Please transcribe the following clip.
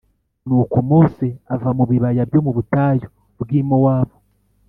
Nuko Mose ava mu bibaya byo mu butayu bw’i Mowabu,